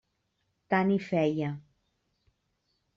Tant hi feia.